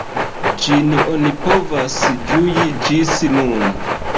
Ĝin oni povas ĝui ĝis nun.